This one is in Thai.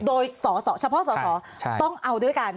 โดยเฉพาะสอสอต้องเอาด้วยกัน